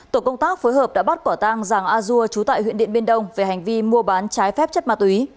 tổ công tác phối hợp đã bắt quả tang giàng a dua trú tại huyện điện biên đông về hành vi mua bán trái phép chất ma túy